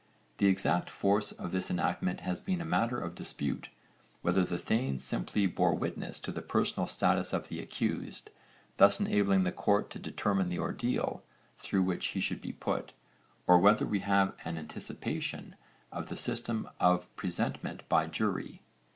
The exact force of this enactment has been a matter of dispute whether the thanes simply bore witness to the personal status of the accused, thus enabling the court to determine the ordeal through which he should be put, or whether we have an anticipation of the system of presentment by jury.